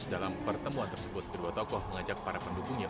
dalam pertemuan tersebut kedua tokoh mengajak para pendukungnya